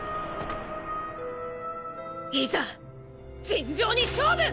いざ尋常に勝負！！